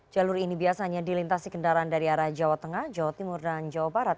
jalur ini biasanya dilintasi kendaraan dari arah jawa tengah jawa timur dan jawa barat